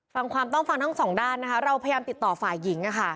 ฟังความต้องฟังทั้งสองด้านนะคะเราพยายามติดต่อฝ่ายหญิง